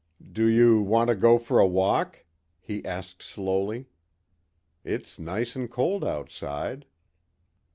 "Do you want to go for a walk?" he asked slowly. "It's nice and cold outside."